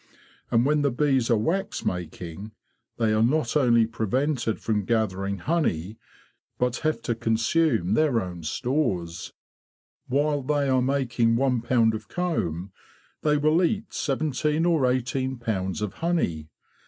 And when the bees are wax making they are not only prevented from gathering honey, but have to consume their own THE WAX MAKERS NIGHT ON A HONEY FARM 61 stores. While they are making one pound of comb they will eat seventeen or eighteen pounds of honey.